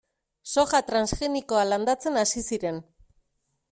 Soja transgenikoa landatzen hasi ziren.